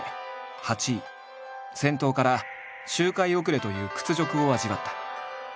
先頭から周回遅れという屈辱を味わった。